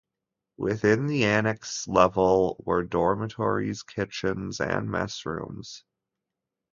Within the Annexe level were dormitories, kitchens and mess rooms.